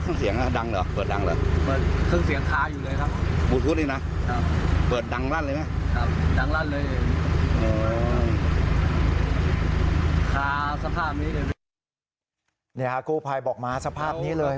นี่ค่ะกู้ภัยบอกมาสภาพนี้เลย